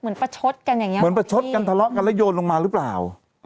ประชดกันอย่างเงี้เหมือนประชดกันทะเลาะกันแล้วโยนลงมาหรือเปล่า